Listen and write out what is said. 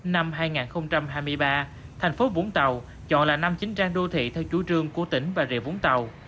năm hai nghìn hai mươi ba thành phố vũng tàu chọn là năm chính trang đô thị theo chủ trương của tỉnh bà rịa vũng tàu